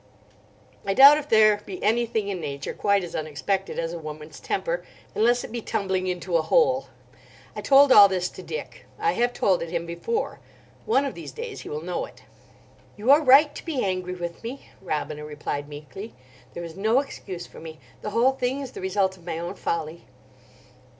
I doubt if there be anything in nature quite as unexpected as a woman's temper, unless it be tumbling into a hole. I told all this to Dick. I have told it him before. One of these days he will know it. "You are right to be angry with me," Robina replied meekly; "there is no excuse for me. The whole thing is the result of my own folly."